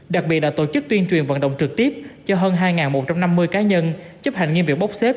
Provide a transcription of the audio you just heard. đặc biệt đã tổ chức tuyên truyền vận động trực tiếp cho hơn hai một trăm năm mươi cá nhân chấp hành nghiêm việc bốc xếp